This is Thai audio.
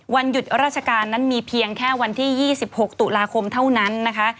วันหยุดราชการนั้นมีเพียงแค่วันที่๒๖ตุลาคมเท่านั้นนะคะ